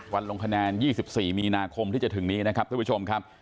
ลงคะแนน๒๔มีนาคมที่จะถึงนี้นะครับท่านผู้ชมครับ